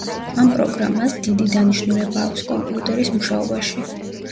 ამ პროგრამას დიდი დანიშნულება აქვს კომპიუტერის მუშაობაში.